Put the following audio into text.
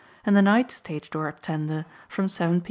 and the night stage door tender from 7 P.